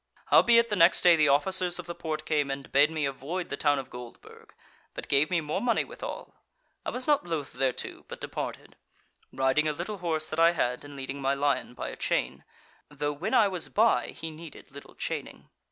"Howbeit the next day the officers of the Porte came and bade me avoid the town of Goldburg, but gave me more money withal. I was not loth thereto, but departed, riding a little horse that I had, and leading my lion by a chain, though when I was by he needed little chaining.